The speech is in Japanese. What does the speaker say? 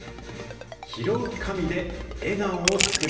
拾う神で笑顔を作れ！